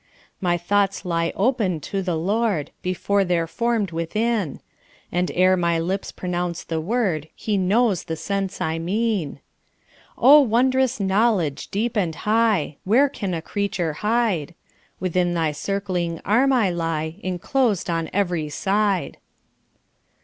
"My thoughts lie open to the Lord Before they're formed within; And ere my lips pronounce the word He knows the sense I mean. "Oh, wondrous knowledge, deep and high! Where can a creature hide! Within thy circling arm I lie, Inclosed on every side."